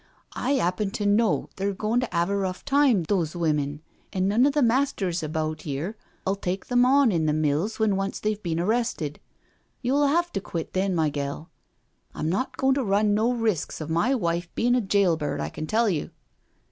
" I 'appen to know they're goin' to 'ave a rough time, those women, an' none o' the masters about 'ere 'uU take them on in the mills when once they've been arrested. You'll *ave to quit them, my gel; I'm not goin' to run no risks of my wife bein' a jail bird, I can tell you."